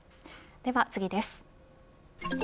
では次です。